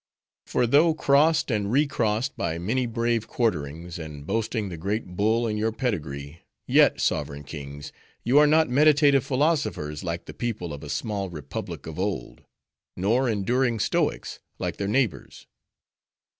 "For though crossed, and recrossed by many brave quarterings, and boasting the great Bull in your pedigree; yet, sovereign kings! you are not meditative philosophers like the people of a small republic of old; nor enduring stoics, like their neighbors.